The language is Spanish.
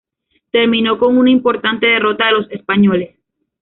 Terminó con una importante derrota de los españoles.